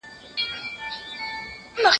موږ چي ول بالا به دوی راسي باره رانه غلل